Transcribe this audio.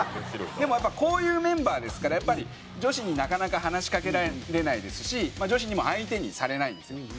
でもこういうメンバーですからやっぱり女子になかなか話しかけられないですしまあ女子にも相手にされないんですよ。